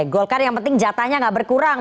golkar yang penting jatahnya nggak berkurang